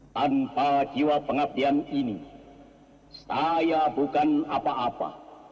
tanpa jiwa pengabdian ini saya bukan apa apa